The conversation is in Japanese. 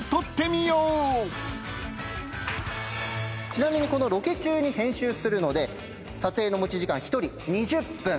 ちなみにこのロケ中に編集するので撮影の持ち時間１人２０分。